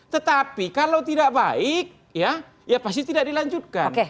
tetapi kalau tidak baik ya ya pasti tidak dilanjutkan